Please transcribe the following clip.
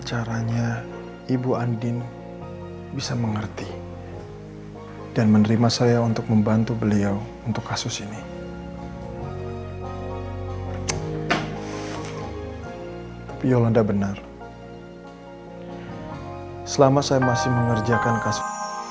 pertanyaan apa yang dikasih polisi sama nino